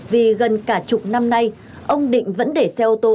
vì gần cả chục năm nay ông định vẫn để xe ô tô